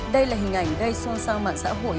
đây là hình ảnh gây xuân sang mạng xã hội